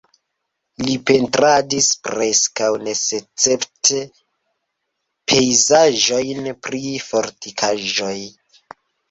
Li pentradis preskaŭ senescepte pejzaĝojn pri fortikaĵoj.